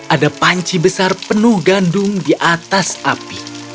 ada panci besar penuh gandum di atas api